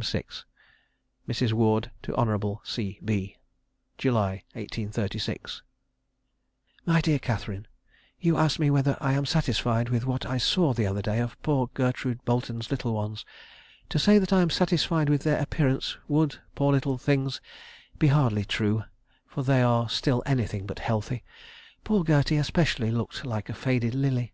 6. Mrs. Ward to Honourable C. B. "July, 1836. "MY DEAR CATHERINE, "You ask me whether I am satisfied with what I saw the other day of poor Gertrude Boleton's little ones. To say that I am satisfied with their appearance would, poor little things, be hardly true, for they are still anything but healthy poor Gertie especially looking like a faded lily.